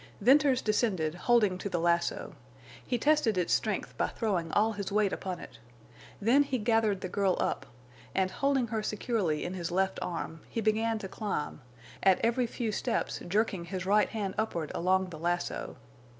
Venters descended, holding to the lasso. He tested its strength by throwing all his weight upon it. Then he gathered the girl up, and, holding her securely in his left arm, he began to climb, at every few steps jerking his right hand upward along the lasso.